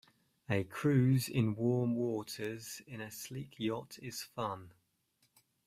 A cruise in warm waters in a sleek yacht is fun.